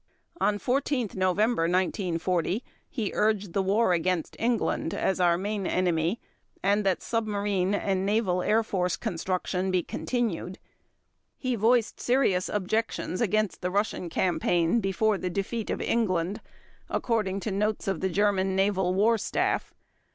On 14 November 1940 he urged the war against England "as our main enemy" and that submarine and naval air force construction be continued. He voiced "serious objections against the Russian campaign before the defeat of England", according to notes of the German Naval War Staff.